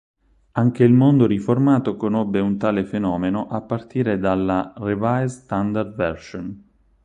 Anche il mondo riformato conobbe un tale fenomeno a partire dalla Revised Standard Version.